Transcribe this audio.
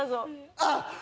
あっ！